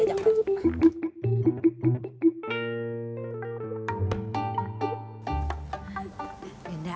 gak bisa diajak